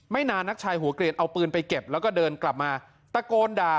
นานนักชายหัวเกลียนเอาปืนไปเก็บแล้วก็เดินกลับมาตะโกนด่า